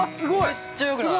◆めっちゃよくない？